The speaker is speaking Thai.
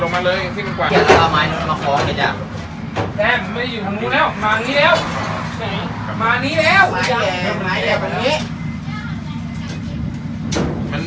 ไม่อยู่ตรงนู้นแล้วมาอันนี้แล้วมาอันนี้แล้วมาอันนี้แล้ว